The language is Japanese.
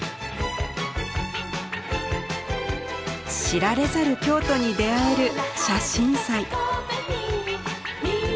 知られざる京都に出会える写真祭。